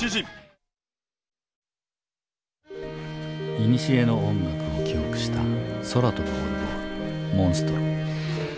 いにしえの音楽を記憶した空飛ぶオルゴール「モンストロ」。